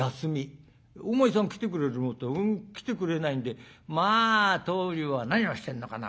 お前さん来てくれるもんと思ったら来てくれないんで『まあ棟梁は何をしてるのかな